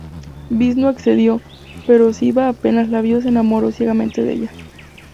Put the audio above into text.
Visnú accedió, pero Sivá apenas la vio se enamoró ciegamente de ella.